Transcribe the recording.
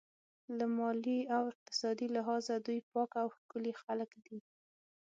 له مالي او اقتصادي لحاظه دوی پاک او ښکلي خلک دي.